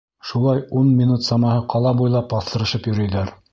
Шулай ун минут самаһы ҡала буйлап баҫтырышып йөрөйҙәр.